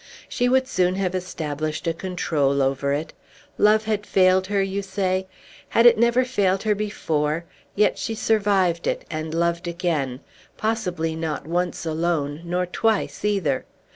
She would soon have established a control over it. Love had failed her, you say. Had it never failed her before? Yet she survived it, and loved again, possibly not once alone, nor twice either.